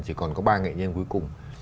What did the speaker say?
chỉ còn có ba nghệ nhân cuối cùng